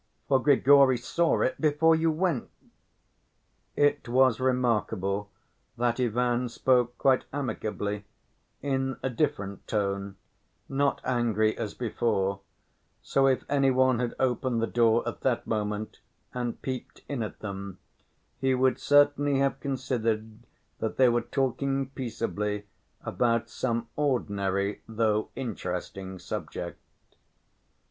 For Grigory saw it before you went." It was remarkable that Ivan spoke quite amicably, in a different tone, not angry as before, so if any one had opened the door at that moment and peeped in at them, he would certainly have concluded that they were talking peaceably about some ordinary, though interesting, subject.